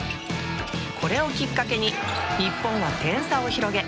これをきっかけに日本は点差を広げ